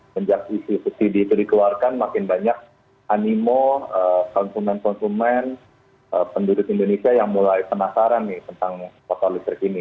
menjak institusi itu dikeluarkan makin banyak animo konsumen konsumen penduduk indonesia yang mulai penasaran tentang motor listrik ini